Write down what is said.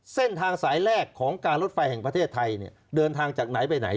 เส้นทางสายแรกของการรถไฟแห่งประเทศไทยเนี่ยเดินทางจากไหนไปไหน